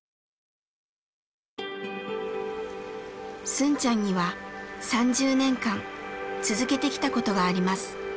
スンちゃんには３０年間続けてきたことがあります。